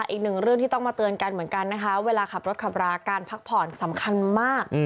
อีกหนึ่งเรื่องที่ต้องมาเตือนกันเหมือนกันนะคะเวลาขับรถขับราการพักผ่อนสำคัญมาก